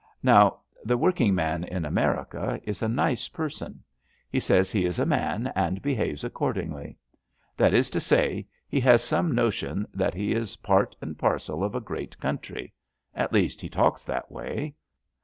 Now the work ingman in America is a nice person. He says he is a man and behaves accordingly. That is to say, he has some notion that he is part and parcel of a great country. At least, he talks that way.